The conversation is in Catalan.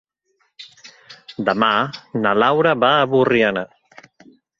Demà na Laura va a Borriana.